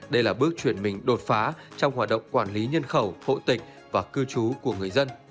đây là bước chuyển mình đột phá trong hoạt động quản lý nhân khẩu hộ tịch và cư trú của người dân